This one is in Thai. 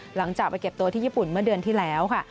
หลังจากไปเก็บตัวที่ญี่ปุ่นเมื่อเดือนที่แล้วค่ะ